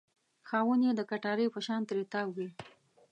خاوند یې د کټارې په شان ترې تاو وي.